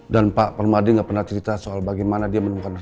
dan pak pak madi nggak pernah cerita soal bagaimana dia menemukan rena pak